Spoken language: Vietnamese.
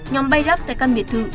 nhóm bay lắp tại căn biệt thự